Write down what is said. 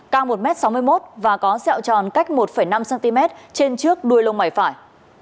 cao một m sáu mươi một và có sẹo tròn cách một năm cm trên trước đuôi lông mày phải